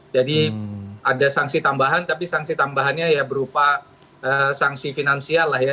ada sanksi tambahan tapi sanksi tambahannya ya berupa sanksi finansial lah ya